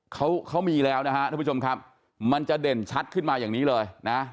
เขาเขามีแล้วนะฮะท่านผู้ชมครับมันจะเด่นชัดขึ้นมาอย่างนี้เลยนะ